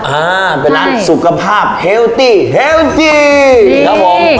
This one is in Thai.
อ่าเป็นร้านสุขภาพเฮลตี้เฮลตี้ครับผม